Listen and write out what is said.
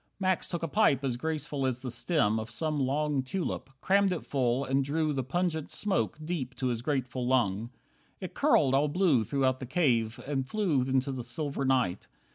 Max took a pipe as graceful as the stem Of some long tulip, crammed it full, and drew The pungent smoke deep to his grateful lung. It curled all blue throughout the cave and flew Into the silver night.